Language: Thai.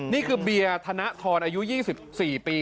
นี่คือเบียร์ธนทรอายุ๒๔ปี